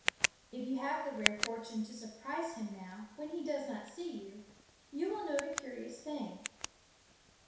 If you have the rare fortune to surprise him now when he does not see you, you will note a curious thing.